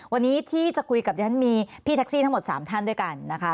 วันนี้ที่จะคุยกับดิฉันมีพี่แท็กซี่ทั้งหมด๓ท่านด้วยกันนะคะ